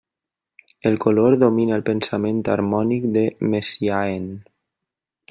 El color domina el pensament harmònic de Messiaen.